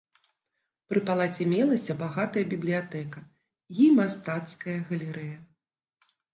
Пры палацы мелася багатая бібліятэка і мастацкая галерэя.